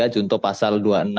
junto pasal dua puluh enam